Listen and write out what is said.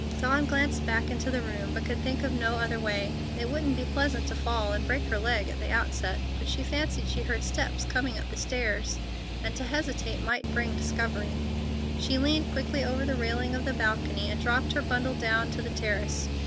Dawn glanced back into the room, but could think of no other way. It wouldn't be pleasant to fall and break her leg at the outset, but she fancied she heard steps coming up the stairs, and to hesitate might bring discovery. She leaned quickly over the railing of the balcony and dropped her bundle down to the terrace.